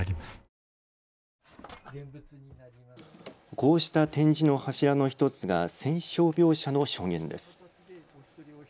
こうした展示の柱の１つが戦傷病者の証言です。